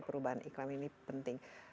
perubahan iklam ini penting